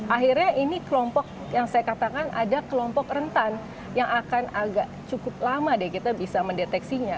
akhirnya ini kelompok yang saya katakan ada kelompok rentan yang akan agak cukup lama deh kita bisa mendeteksinya